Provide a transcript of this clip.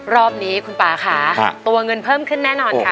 รอบนี้คุณป่าค่ะตัวเงินเพิ่มขึ้นแน่นอนค่ะ